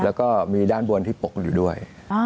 แล้วก็มีด้านบนที่ปกอยู่ด้วย